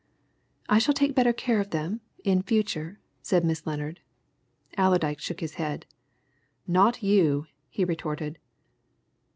"I shall take better care of them in future," said Miss Lennard. Allerdyke shook his head, "Not you!" he retorted.